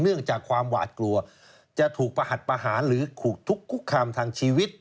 เนื่องจากความหวาดกลัวจะถูกประหัสประหารหรือถูกทุกคุกคามทางชีวิต